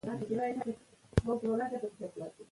کاروونکو ته د انټرنیټ سره ګډ کار کول اسانتیا برابر وي.